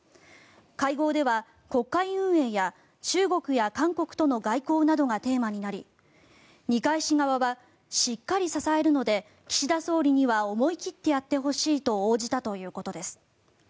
会合では国会運営や中国や韓国との外交などがテーマになり二階氏側はしっかり支えるので岸田総理には思い切ってやってほしいと応じたということです。